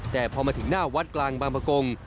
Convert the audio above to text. แต่พอมาถึงหน้าวัดกลางบางประกง